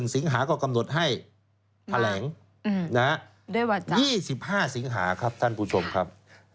สิงหาก็กำหนดให้แถลง๒๕สิงหาครับท่านผู้ชมครับ